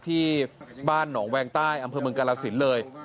ที่บ้านหนองแวงใต้อำเภอเมืองกาลสินเลย